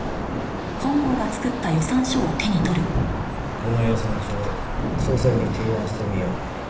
この予算書を総裁に提案してみよう。